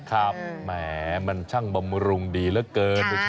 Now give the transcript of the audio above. แหมมันช่างบำรุงดีเหลือเกิน